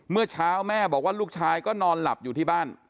เมื่อเช้าแม่บอกว่าลูกชายก็นอนหลับอยู่ที่บ้าน